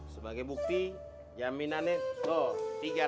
sebagai bukti jaminan nih